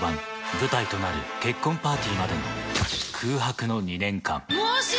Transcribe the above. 舞台となる結婚パーティーまでの空白の２年間。